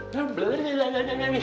nah boleh lah